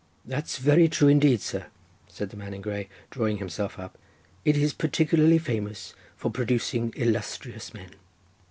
"That's very true indeed, sir," said the man in grey, drawing himself up; "it is particularly famous for producing illustrious men."